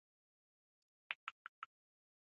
زه لاسنیوې له تلی وم